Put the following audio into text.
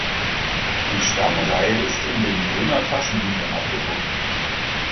Die Stammreihe ist in den "Brünner Taschenbüchern" abgedruckt.